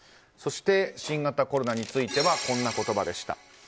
そして、新型コロナについてはこんな言葉でした。